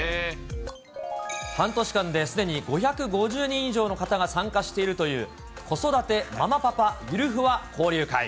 半年間ですでに５５０人以上の方が参加しているという、子育てママパパゆるふわ交流会。